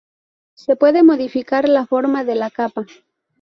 Se puede modificar la forma de la capa.